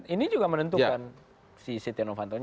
ini juga menentukan si setia novanto ini